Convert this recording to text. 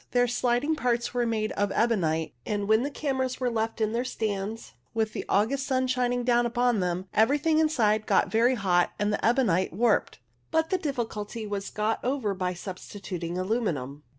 Their sliding parts were made of ebonite, and when the cameras were left in their stands with an August sun shining down upon them, everything inside got very hot and the ebonite warped ; but the difficulty was got over by substituting aluminium.